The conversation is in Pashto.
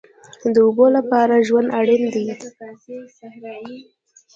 د اوبو لپاره ژوند اړین دی